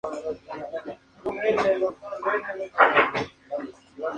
Resulta de un drenaje linfático deficiente de las cuerdas vocales.